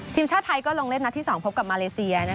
ทีมชาติไทยก็ลงเล่นนัดที่๒พบกับมาเลเซีย